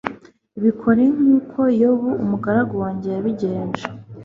bikore nk'uko yobu umugaragu wanjye yabigenje